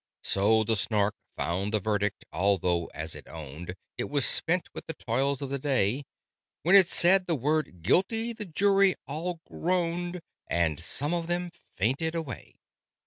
So the Snark found the verdict, although, as it owned, It was spent with the toils of the day: When it said the word "GUILTY!" the Jury all groaned, And some of them fainted away.